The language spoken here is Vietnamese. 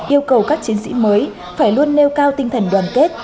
yêu cầu các chiến sĩ mới phải luôn nêu cao tinh thần đoàn kết